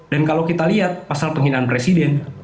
dan kalau kita lihat pasal penghinaan presiden